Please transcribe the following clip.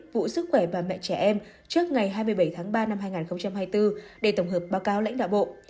vụ sức khỏe bà mẹ trẻ em trước ngày hai mươi bảy tháng ba năm hai nghìn hai mươi bốn để tổng hợp báo cáo lãnh đạo bộ